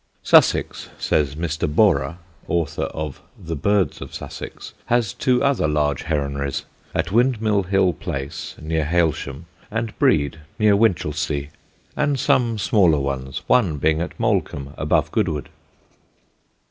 Sussex, says Mr. Borrer, author of The Birds of Sussex, has two other large heronries at Windmill Hill Place, near Hailsham, and Brede, near Winchelsea and some smaller ones, one being at Molecomb, above Goodwood.